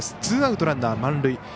ツーアウト、ランナー満塁。